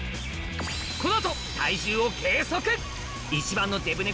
この後体重を計測！